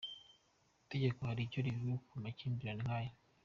Itegeko hari icyo rivuga ku makimbirane nk’aya